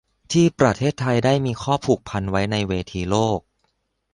ที่ประเทศไทยได้มีข้อผูกพันไว้ในเวทีโลก